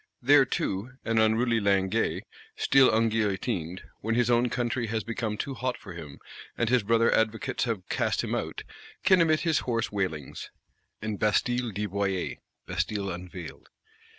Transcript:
There too an unruly Linguet, still unguillotined, when his own country has become too hot for him, and his brother Advocates have cast him out, can emit his hoarse wailings, and Bastille Dévoilée (Bastille unveiled).